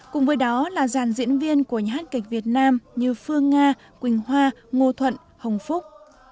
cùng với đó là giàn diễn viên của nhà hát kịch việt nam như phương nga quỳnh hoa ngô thuận hồng phúc